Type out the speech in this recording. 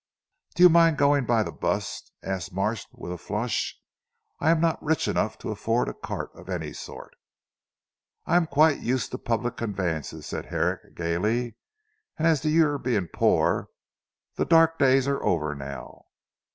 "Do you mind going by the bus?" asked Marsh with a flush. "I am not rich enough to afford a cart of any sort." "I am quite used to public conveyances," said Herrick gaily, "and as to your being poor, the dark days are over now."